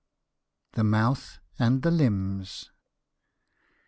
THE MOUTH AND THE LIMBS.